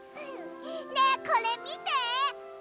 ねえこれみて！